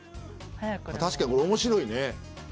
確かにこれ面白いね。